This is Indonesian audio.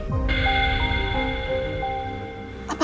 apa andin udah ketemu sama anaknya no